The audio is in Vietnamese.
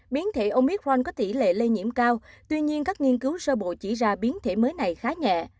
biến thể omit ron có tỷ lệ lây nhiễm cao tuy nhiên các nghiên cứu sơ bộ chỉ ra biến thể mới này khá nhẹ